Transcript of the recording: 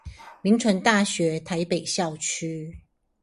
銘傳大學台北校區